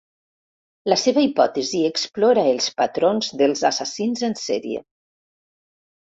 La seva hipòtesi explora els patrons dels assassins en sèrie.